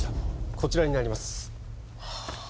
こちらになります